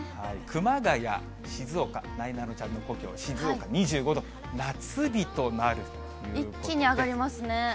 熊谷、静岡、なえなのちゃんの故郷、静岡２５度、夏日となる一気に上がりますね。